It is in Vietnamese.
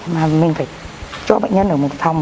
mà mình phải cho bệnh nhân ở một phòng